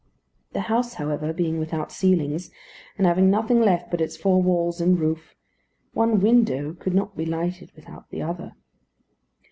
The house, however, being without ceilings, and having nothing left but its four walls and roof, one window could not be lighted without the other.